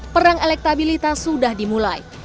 perang elektabilitas sudah dimulai